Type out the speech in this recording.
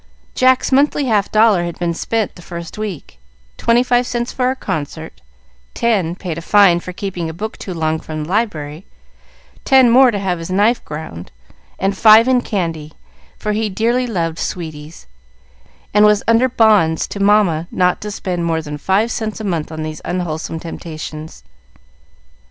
Jack's monthly half dollar had been spent the first week, twenty five cents for a concert, ten paid a fine for keeping a book too long from the library, ten more to have his knife ground, and five in candy, for he dearly loved sweeties, and was under bonds to Mamma not to spend more than five cents a month on these unwholesome temptations.